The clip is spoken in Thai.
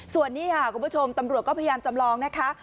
ส่วนนี้ค่ะคุณผู้ชมตำรวจก็พยายามจำลองนะคะ